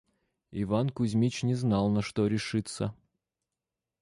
Иван Кузмич не знал, на что решиться.